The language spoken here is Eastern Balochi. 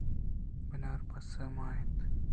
بناربس ءَمّن اِت